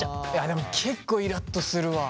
でも結構イラっとするわ。